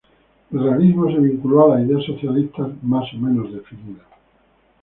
El realismo se vinculó a las ideas socialistas más o menos definidas.